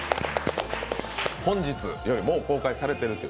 本日より、もう公開されているという。